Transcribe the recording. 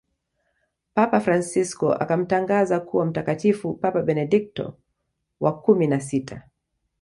papa fransisko akamtangaza kuwa mtakatifu papa benedikto wa kumi na sita